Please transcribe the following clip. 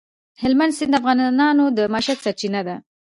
هلمند سیند د افغانانو د معیشت سرچینه ده.